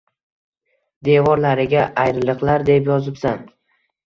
Devorlariga ayriliqlar deb yozibsan.